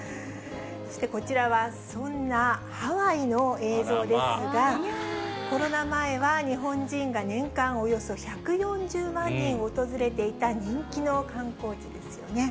そして、こちらはそんなハワイの映像ですが、コロナ前は、日本人が年間およそ１４０万人訪れていた人気の観光地ですよね。